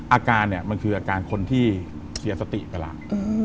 อาการเนี่ยมันคืออาการคนที่เสียสติไปแล้ว